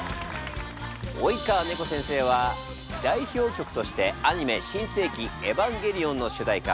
及川眠子先生は代表曲としてアニメ「新世紀エヴァンゲリオン」の主題歌